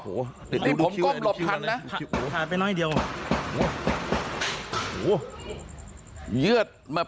ผมก้มหลบทันนะ